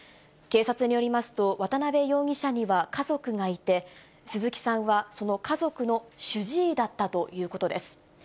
警察によりますと、渡辺容疑者には家族がいて、鈴木さんはその家族の主治医だったということです。